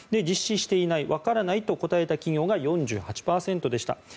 実施していない、分からないと答えた企業が４８％でした。